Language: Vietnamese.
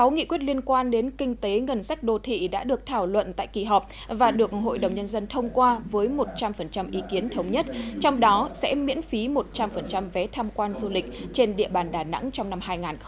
một mươi nghị quyết liên quan đến kinh tế ngân sách đô thị đã được thảo luận tại kỳ họp và được hội đồng nhân dân thông qua với một trăm linh ý kiến thống nhất trong đó sẽ miễn phí một trăm linh vé tham quan du lịch trên địa bàn đà nẵng trong năm hai nghìn hai mươi